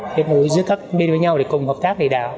kết nối giữa các bên với nhau để cùng hợp tác đầy đạo